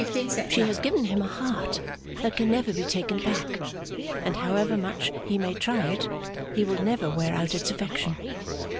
She has given him a heart that can never be taken back; and however much he may try it, he will never wear out its affection.